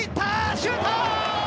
シュート！